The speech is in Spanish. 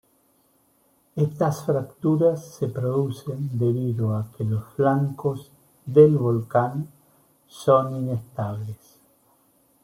Estas fracturas se producen debido a que los flancos del volcán son inestables.